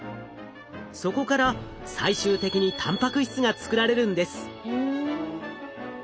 そこから最終的にたんぱく質が作られるんです。